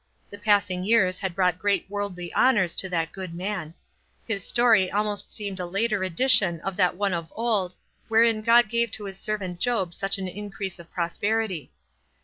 The passing years had brought great worldly honors to th;it good man. His story almost seemed a later edition of that one of old, where in God gave to his servant Job such an increase WISE AND OTHERWISE. 385 of prosperity.